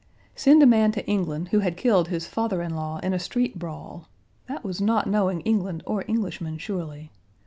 Send a man to England who had killed his father in law in a street brawl! That was not knowing England or Englishmen, surely.